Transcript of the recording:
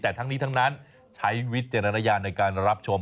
แต่ทั้งนี้ทั้งนั้นใช้วิจารณญาณในการรับชม